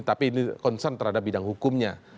tapi ini concern terhadap bidang hukumnya